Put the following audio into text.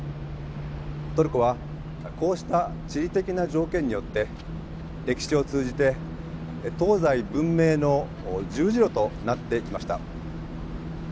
トルコはこうした地理的な条件によって歴史を通じて東西文明の十字路となってきました。